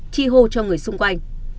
chi hô cho người xung quanh